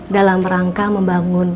dalam rangka membangun